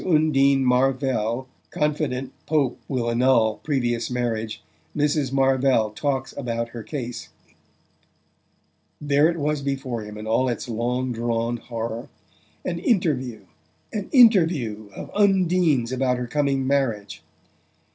UNDINE MARVELL CONFIDENT POPE WILL ANNUL PREVIOUS MARRIAGE MRS. MARVELL TALKS ABOUT HER CASE There it was before him in all its long drawn horror an "interview" an "interview" of Undine's about her coming marriage!